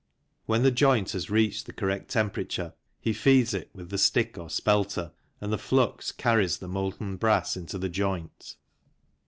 When the joint has reached the correct temperature he feeds it with the " stick " or " spelter/' and the flux carries the molten brass into the joint.